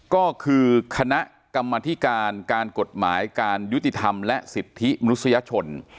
ก็คือคณะกรรมธิการการกฎหมายการยุติธรรมและสิทธิมนุษยชน